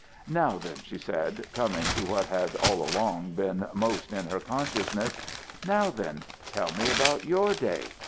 "Now, then," she said, coming to what had all along been most in her consciousness "now, then, tell me about your day.